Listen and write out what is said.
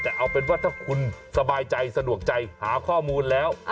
แต่เอาเป็นว่าถ้าคุณสบายใจสะดวกใจหาข้อมูลแล้ว